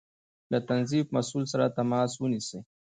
له تنظيف مسؤل سره تماس ونيسئ